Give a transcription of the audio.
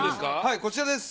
こちらです。